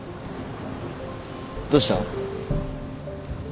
どうした？